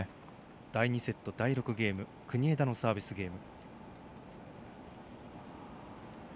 第２セット、第６ゲーム国枝のサービスゲーム。